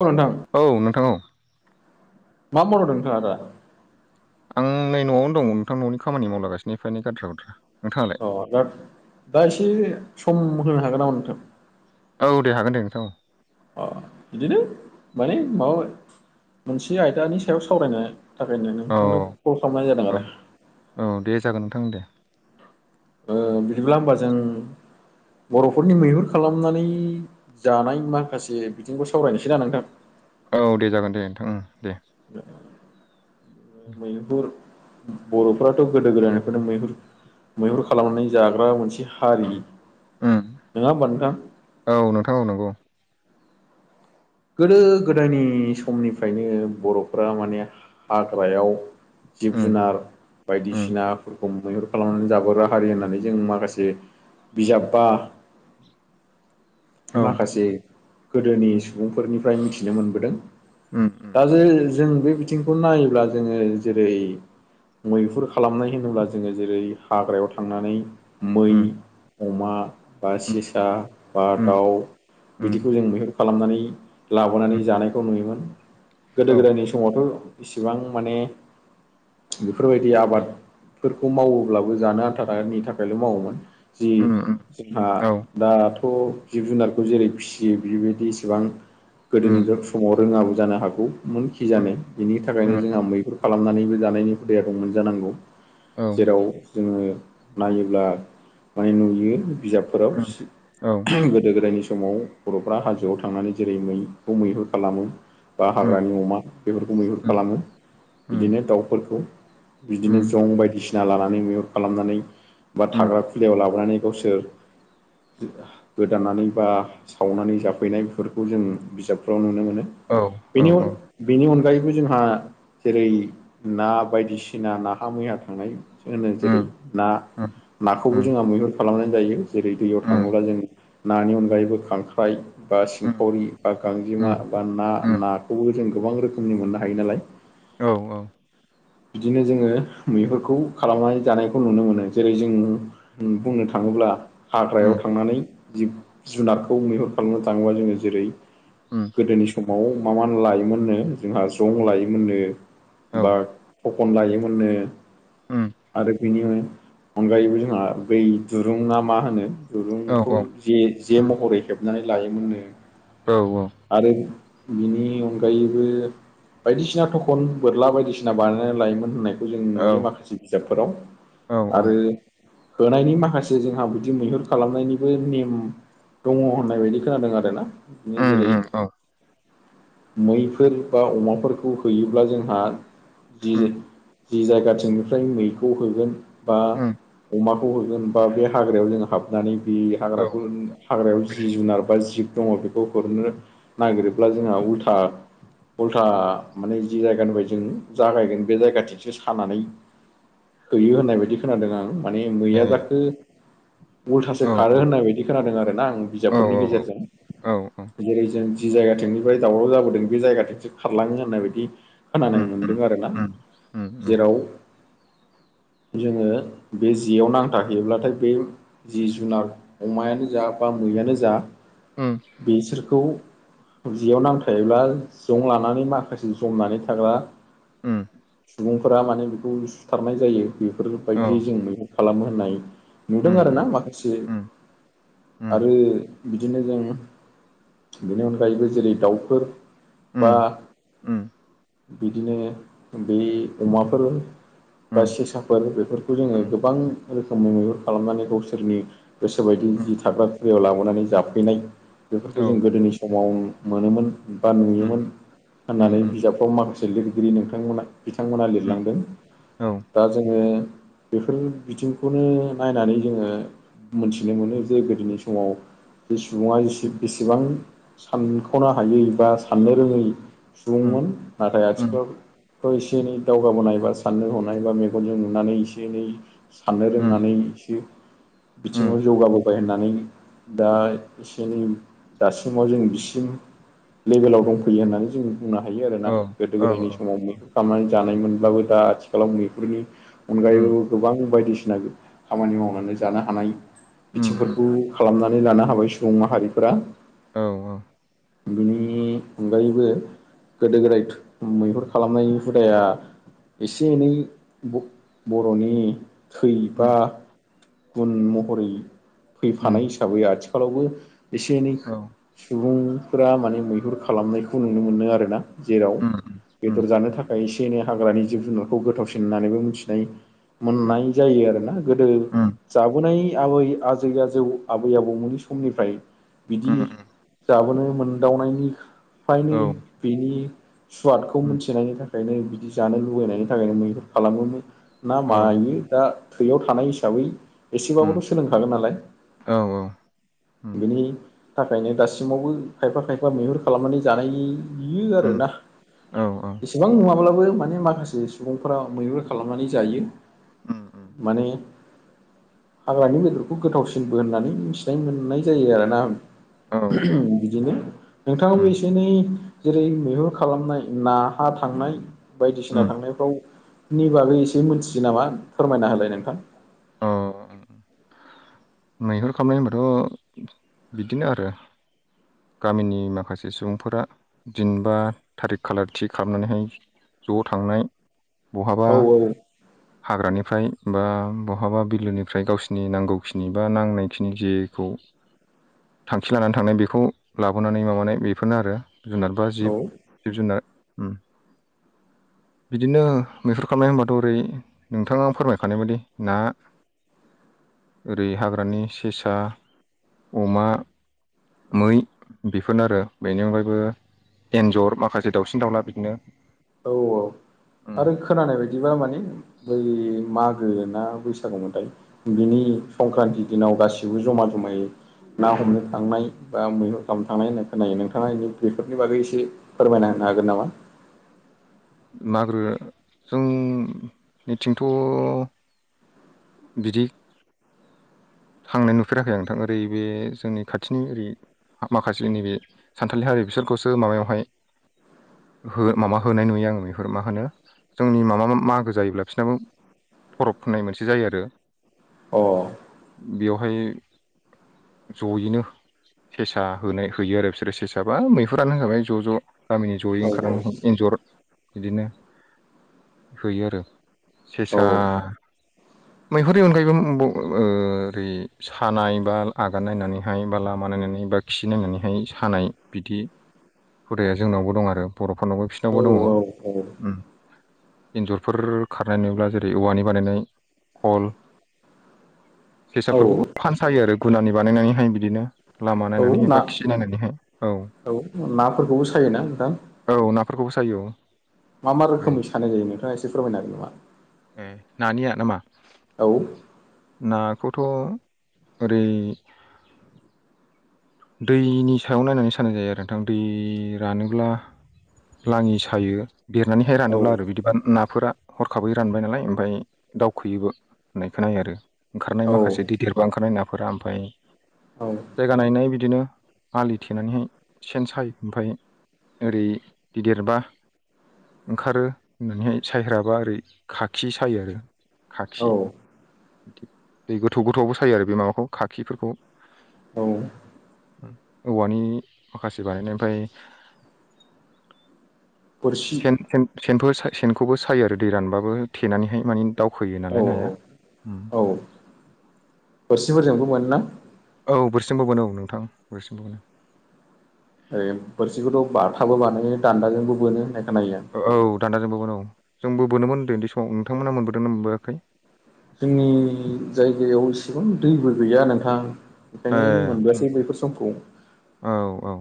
औ नोंथां औ नोंथां औ मा मावदों नोंथांङा दा आं नै न'आवनो दं नोंथां न'नि खामानि मावलागासिनो एफा एनै खाथ्रा खुथ्रा अ दा दा एसे सम होनो हागोन नामा नोंथां? औ दे हागोन दे नोंथां औ अ बिदिनो माने माबा मोनसे आयदानि सायाव सावरायनाय थाखायनो नोंथांनो कल खालामनाय जादों औ आरो औ दे जागोन नोंथां दे बिदिब्ला होमबा जों बर'फोरनि मैहुर खालामनानै जानाय माखासे बिथिंखौ सावरायनोसैना नोंथां औ दे जागोन दे नोंथांओं दे मैहुर बर'फोराथ' गोदो गोदायनिफ्रायनो मैहुर मैहुर खालामनानै जाग्रा मोनसे हारि उम नङा होमबा नोंथां औ नोंथां औ नंगौ गोदो गोदायनि समनिफ्रायनो बर'फ्रा माने हाग्रायाव जिब उम जुनार उम बायदिसिना खौ मैहुर खालामनानै जाबोग्रा हारि होननानै जों माखासे बिजाब बा औ माखासे गोदोनि सुबुंफोरनिफ्राय मिथिनो मोनबोदों। उम उम दा जे जों बे बिथिंखौ नायोब्ला जोंङो जेरै मैहुर खालामनाय होनोब्ला जोंङो जेरै हाग्रायाव थांनानै मै उम अमा बा उम सेसा बा उम दाउ उम बिदिखौ जों मैहुर खालामनानै उम लाबोनानै जानायखौ नुयोमोन। गोदो औ गोदायनि समावथ' इसिबां माने बेफोरबायदि आबादफोरखौ मावोब्लाबो जानो आनथा नि थाखायल' मावोमोन। जि उम उम जोंहा औ दा थ' जिब जुनारखौ जेरै फिसियो बेबायदि इसेबां गोदोनि उम समाव रोङाब्ला जानो हागौमोन खि उम जानो बिनि थाखायनो उम जोंहा मैहुर खालामनानैबो जानायनि हुदखौं मोनजानांगौ औ जेराव जोंङो नायोब्ला माने नुयो बिजाबफोराव उम औ गोदो गोदायनि समाव बर'फ्रा हाजोआव थांनानै जेरै मैखौ मैहुर खालामो बा उम हाग्रानि अमा बेफोरखौ मैहुर उम खालामो उम बिदिनो दाउफोरखौ बिदिनो उम जं बायदिसिना लानानै मैहुर खालामनानै बा उम थाग्रा खुलायाव लाबोनानै गावसोर गोदाननानै बा सावनानै जाफैनायफोर खौ जों बिजाबफ्राव नुनो मोनो औ औ बेनि औ बेनि अनगायै बो जोंहा जेरै ना बायदिसिना नाहा मैया थांनाय होनो जेरै उम ना उम नाखौबो उम जोंहा मैहुर खालामनानै जायो जेरै दैयाव उम थाङोब्ला जों नानि अनगायैबो खांख्राइ बा फावरि बा गांजेमा उम बा ना उम उम नाखौबो जों गोबां रोखोमनि मोननो हायो नालाय औ औ बिदिनो जोंङो मैहुरखौ खालामनानै जानायखौ नुनो मोनो जेरै जों बुंनो थांङो थाङोब्ला उम हाग्रायाव थांनानै जिब जुनारखौ मैहुर खालामनो थाङोबा जोङो जेरै उम गोदोनि समाव मा मा लायोमोननो जोंहा जं लायो मोननो औ बा थखन लायोमोननो उम आरो बिनि अनगायैबो जोंहा दै दुरुं ना मा होनो। औ दुरुंखौ औ जे जे महरै हेबनानै लायोमोननो औ आरो बिनि अनगायैबो बायदिसिना थखन बोरला बायदिसिना बानायना लायोमोन होननाय खौ जों औ नुयो औ माखासे बिजाबफोराव औ औ आरो होनायनि माखासे जोंहा बिदि मैहुर खालामनायनिबो नेम दङ होननायबायदि खोनादों आरोना बि उम जेरै उम औ मैफोर बा अमाफोरखौ होयोब्ला जोंहा जि उम जि जायगाथिंनिफ्राय मैखौ होगोन बा उम अमाखौ जेनबा बे हाग्रायाव जों हाबनानै बे औ हाग्राखौ हाग्रायाव जि जुनार बा जि खौ हरनो नागिरोब्ला जोंहा उल्था उल्था माने जि जायगानिफाराय जों जागायगोन बे जायगाथिंसो सानानै हैयो होननायबायदि खोनादों आं माने ए मैया जाखो उल्थासो औ खारो औ होननाय बायदि खोनादों आरो ना आं औ बिजाबफोरनि गेजेरजों औ औ जेरै जों जि जायगाथिंनिफ्राय दावराव जाबोदों बे जायगाथिंसो खारलाङो होननाय बायदि उम खोनानाय उम मोनदों आरो ना उम उम जेराव जोङो बे जेयाव नांथाहैयोब्लाथाय बे जि जुनार अमायानो जा बा बा मैयानो जा उम बेसोरखौ जियाव नांथायोब्ला जं लानानै माखासे जमनानै थाग्रा उम सुबुंफोरा माने बेखौ सुथारनाय जायो औ बेफोरबायदि जों मैगं खालामो होननाय नुदों उम आरो ना उम माखासे उम उम आरो बिदिनो जों बेनि अनगायैबो जेरै दाउफोर बा उम उम बिदिनो बे अमाफोर बा उम सेसाफोर बेफोरखौ जोङो उम गोबां रोखोम बा मैहुर खालामनानै गावसोरनि गोसोबायदि उम जि थाग्रा जायगायाव लाबोनानै जाफैनाय बेफोरखौ औ जों गोदोनि समाव मोनोमोन बा उम नुयोमोन। उम होननानै उम बिजाबखौ माखासे लिरगिरि नोंथांमोना बिथांमोना उम लिरलांदों। औ दा जोङो बेफोर बिथिंखौनो नायनानै जोङो मोनथिनो मोनो जे गोदोनि समाव जे सुबुङा एसे बेसेबां सानख'नो हायै बा साननो रोङै उम सुबुंमोन। नाथाय उम आथिखालाव खौ एसे एनै दावगाबोनाय ए बा साननो हनाय बा मेगनजों नुनानै एसे एनै साननो उम रोंनानैसो उम बिथिङाव जौगाबोबाय होननानै दा एसे एनै दासिमाव जों बिसिम लेभेलाव दंफैयो होननानै जों बुंनो हायो आरोना औ गोदो औ गोदायनि औ समाव मैहुर खालामनानै जानाय उम मोनब्लाबो दा आथिखालाव मैहुरनि उम अनगायैबो गोबां बायदिसिना खामानि मावनानै जानो हानाय उम उम बिथिंफोरखौ खालामनानै लानो हाबाय सुबुं माहारिफोरा। औ औ बिनि अनगायैबो गोदो गोदाय मैहुर खालामनायनि हुदाया एसे एनै ब बर'नि थै बा उम गुन महरै फैफानाय उम हिसाबै आथिखालावबो एसे एनै औ सुबुंफोरा माने मैहुर खालामनायखौ नुनो मोनो आरोना। जेराव उम बेदर उम जानो थाखाय एसे एनै हाग्रानि जिब जुनारखौ गोथावसिन होननानैबो मिथिनाय मोननाय जायो आरोना गोदो उम उम जाबोनाय आबै आजै आजौ आबै आबौमोननि समनिफ्राय बिदि उम जाबोनो मोनदावनायनिफ्रायनो औ बेनि सुवादखौ उम मोनथिनायनि थाखायनो बिदि जानो लुुबैनायनि थाखायनो मैहुर खालामोमोन ना औ मायो दा थैयाव थानाय हिसाबै उम एसेबाबोथ' सोलोंखागोन नालाय। औ औ उम बिनि थाखायनो दासिमावबो खायफा खायफा मैहुर खालामनानै जानायानो उम आरोना। औ औ एसेबां नुङाब्लाबो माने माखासे सुबुंफोरा मैहुर खालामनानै जायो। उम उम माने हाग्रानि बेदरखौ गोथावसिनबो होननानै मिथिनाय मोननाय जायो आरोना। औ औ बिदिनो नोंथाङाबो उम एसे एनै जेरै मैहुर खालामनाय नाहा थांनाय बायदिसिना उम थांनायफ्राव नि बागै एसे मिथियो नामा फोरमायना होलाय नोंथां? अ मैहुर खालामनाय होनबाथ' बिदिनो आरो गामिनि माखासे सुबुंफोरा दिन बा थारिख खालार थि खालामनानैहाय ज' थांनाय बहाबा औ हाग्रानिफ्राय बा बहाबा बिलोनिफ्राय गावसिनि नांगौखिनि निबा नांनायखिनि जेखौ थांखि लानानै थांनाय बेखौ लाबोनानै माबानाय बेफोरनो आरो। जिब जुनार बा जिब औ जिब जुनार उम बिदिनो मैहुर खालामनाय होनबाथ' ओरै नोंथाङा फोरमायखानाय बायादि ना [inaudible] ओरै हाग्रानि सेसा अमा मै बेफोरनो आरो बेनि अनगायैबो एन्जर माखासे दाउसिन दाउला बिदिनो औ औ आरो खोनानाय बायदिबा माने बै मागो ना बैसागुमोनथाय बिनि संक्रान्ति दिनाव गासिबो जमा जमायै ना हमनो थांनाय बा मैहुर खालामनो थांनाय होनना खोनायो नोंथाङा बेफोरनि बागै एसे फोरमायनो हागोन हागोन नामा? नाग्रो जोंनिथिंथ' बिदि थांनाय नुफेराखै नोंथां ओरै बे जोंनि खाथिनि ओरै माखासे नैबे सानथालि हारि बिसोरखौसो माबायावहाय माबा होनाय नुयो आङो बे मा होनो जोंनि माबा मागो जायोब्ला बिसोरनाबो फरब खुंनाय मोनसे जायो आरो अ बेवहाय जयैनो सेसा होनाय होयो आरो बिसोरो सेसाबा मैहुरानो होबाय ज' ज' गामिनि जयै औ ओंखारनानै एन्जर बिदिनो होयो आरो सेसा मैहुरनि अनगायैबो ओरै सानाय बा आगान नायनानैहाय बा लामा नायनानै बा खिनायनानैहाय सानाय बिदि हुदाया जोंनावबो दं आरो बर'फोरनावबो बिसिनावबो दङ। एन्जरफोर खारनाय नुब्ला जेरै औवानि बानायनाय खल औ सेसाफोरखौबो फानसायो आरो गुनानि बानायनानैहाय बिदिनो लामा औ औ नायनानैहाय ना बा खि नायनानैहाय। औ नाफोरखौबो सायोना नोंथां? औ नाफोरखौबो सायो औ मा मा ओरै रोखोमनि सानाय जायो नोंथाङा एसे फोरमायनो हागोन नामा? ए नानिया नामा? औ नाखौथ' ओरै दैनि सायाव नायनानै साननाय जायो आरो नोंथां दै रानोब्ला लाङि सायो देरनानैहाय रानोब्ला आरो बिदिबा ना फोरा हरखाबै रानबाय नालाय ओमफ्राय दावखोयोबो। होननाय खोनायो आरो ओंखारनाय औ माखासे गिदेरबा ओंखारनाय नाफोरा ओमफ्राय औ जायगा नायनाय बिदिनो आलि थेनानैहाय सेन सायो ओमफ्राय ओरै गिदिरबा ओंखारो होननानैहाय सायग्राबा ओरै खाखि सायो आरो। खाखि औ बिदि दै गोथौ गोथौयावबो सायो आरो बे माबाखौ खाखिफोरखौ औ औवानि माखासे बानायनाय ओमफ्राय बोरसि सेन थेन सेनफोर सेनखौबो सायो आरो दै रानबाबो थेनानैहाय मानि दावखोयो औ नालाय नाया। उम। औ बोरसिफोरजोंबो बोनो ना? औ बोरसिजों बोनो औ नोंथां बोरसिजोंबो बोनो ओरै बोरसिखौथ' बाथाजोंबो बोनो दानदाजोंबो बोनो खोनायो आं औ दानदाजोंबो बोनो औ जोंबो बोनोमोन उनदै उनदै समाव नोंथांमोना मोनबोदों ना मोनबोयाखै? जोंनि जायगायाव एसेबां दैबो गैया नोंथां। ए ओंखायनो उम, मोनबोयासै बैफोर समखौ औ औ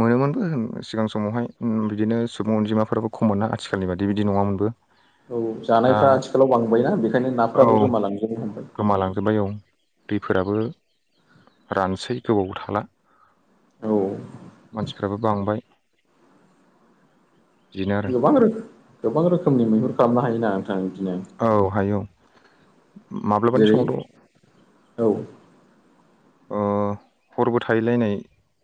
मोनोमोनबो सिगां समावहाय बिदिनो सुबुं अनजिमाफोराबो खम मोना आथिखालनि बादि बिदि नङामोनबो। औ दा जानायफ्रा आथिखालाव बांबाय ना बेखायनो औ नाफोराबो गोमालांजोबनो हमबाय। गोमालांजोब्बाय औ दैफोराबो रानसै गोबाव थाला। औ मानसिफ्राबो बांबाय। बिदिनो आरो गोबां रोखोम गोबां रोखोमनि मैहुर खालामनो हायोना? नोंथां बिदिनो औ हायो औ माब्लाबानि जेरै समावथ' औ ओ हरबो थाहैलायनाय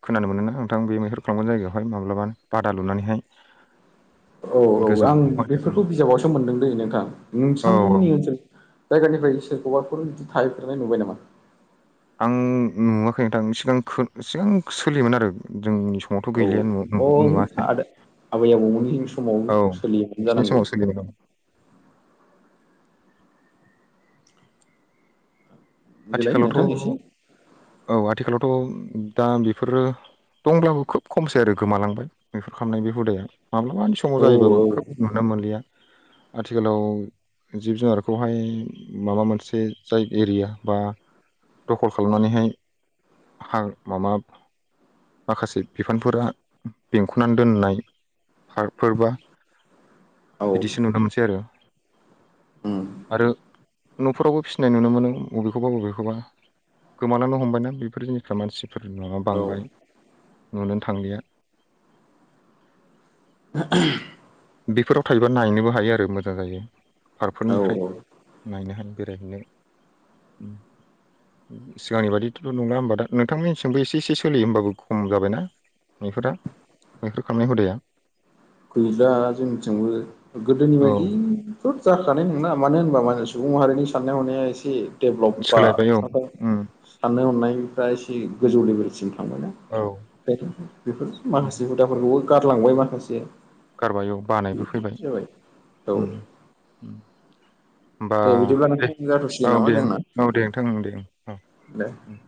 खोनानो मोनो ना नोंथां बे मैहुर खालामगोन जायगायावहाय माब्लाबा बादा लुनानैहाय। औ औ गोजौ आं दंफां बेफोरखौ औ बिजाबावसो मोनदों दै नोंथां औ नोंथांमोननि ओनसोल जायगानिफ्राय सोरखौबाफोर बिदि थाहैफेरनाय नुबाय नामा? आं नुवाखै नोंथां सिगां सोलियोमोन आरो जों [unintelligible] समावथ' औ गैलिया अ नुवाखै आदा आबै आबौमोननि समाव औ सोलियोमोन बिसोरनि जानांगौ समाव सोलिबायोमोन। देलाय आथिखालावथ' नोंथां एसे औ आथिखालावथ' दा बेफोरो दंब्लाबो खोब खमसै आरो गोमालांबाय मैहुर खालामनायनि बे हुदाया। माब्लाबानि समाव औ जायोबो खोब औ नुनो मोनलिया। आथिखालाव जिब जुनारखौहाय माबा मोनसे जाय एरिया बा दखल खालामनानैहाय हा माबा माखासे बिफानफोरा बेंख'नानै दोननाय पार्कफोरबा औ बिदिसो नुनो मोनसै आरो। उम आरो न'फोरावबो फिसिनाय नुनो मोनो। बबेखौबा बबेखौबा गोमानो हमबायना बेफोर जिनिसफ्रा मानसि फोर न'आ औ बांबाय नुनोनो थांलिया। [unintelligible] बेफोराव थायोबा नायनोबो हायो आरो मोजां जायो औ पार्कफोरनिफ्राय नायनो हायो। बेरायहैनो ओम सिगांनि बायदिथ' नंला होमबा दा नोंथांमोननिसिमबो एसे एसे सोलियो होमबाबो खम जाबायना? मैहुरा मैहुर खालामनाय हुदाया। गैला जोंथिंबो गोदोनि औ बायदिथ' जाखानाय नङा मानो होनबा मा होनबा सुबुं माहारिनि साननाय हनाया एसे डेभलप बा सोलायबाय औ उम साननो हनाय दा एसे उम गोजौ लेभेलसिम थांबाय ना औ बेखाय बेफोर माखासे हुदाफोरखौबो गारलांबाय माखासे गारबाय औ बानायबो फैबाय जाबाय औ उम होमबा दे बिदिब्ला दे नोंथां जाथ'सिगोन औ नामा दे जोंना औ दे नोंथां दे औ दे उम